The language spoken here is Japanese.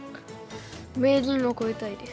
名人を超えたいです。